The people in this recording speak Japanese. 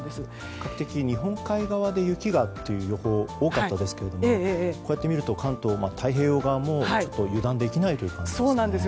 比較的、日本海側で雪がという予報が多かったですがこうやってみると関東、太平洋側も油断できないという感じですね。